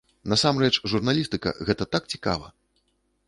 Насамрэч, журналістыка, гэта так цікава!